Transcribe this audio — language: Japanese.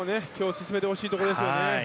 進めてほしいところですね。